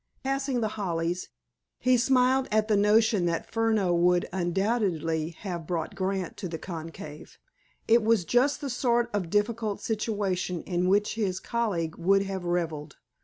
Passing The Hollies, he smiled at the notion that Furneaux would undoubtedly have brought Grant to the conclave. It was just the sort of difficult situation in which his colleague would have reveled.